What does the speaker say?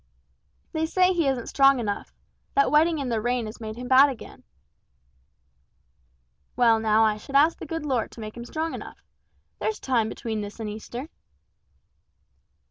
"They say he isn't strong enough. That wetting in the rain has made him bad again." "Well now I should ask the good Lord to make him strong enough. There's time between this and Easter."